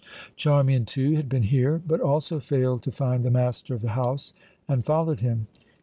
Charmian, too, had been here, but also failed to find the master of the house, and followed him.